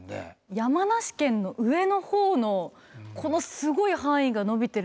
山梨県の上の方のこのすごい範囲が伸びてるのも気になりますね。